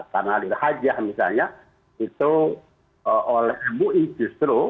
karena diri haji misalnya itu oleh mui justru